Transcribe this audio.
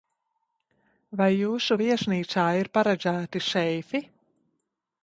Vai jūsu viesnīcā ir paredzēti seifi?